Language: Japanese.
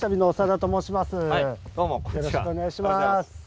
よろしくお願いします。